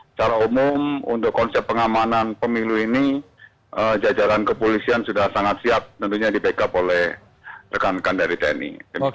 secara umum untuk konsep pengamanan pemilu ini jajaran kepolisian sudah sangat siap tentunya di backup oleh rekan rekan dari tni